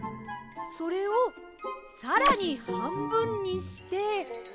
それをさらにはんぶんにして。